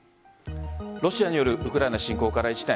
ロシアによるウクライナ侵攻から１年。